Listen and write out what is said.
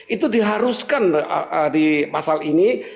itu diharuskan di masal ini